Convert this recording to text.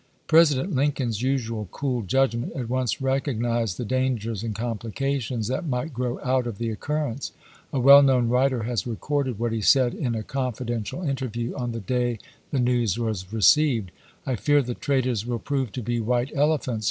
President Lincoln's usual cool judgment at once recognized the dangers and complications that might grow out of the occurrence. A well known writer has recorded what he said in a confidential interview on the day the news was received :" I fear the traitors will prove to be white elephants.